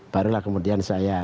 barulah kemudian saya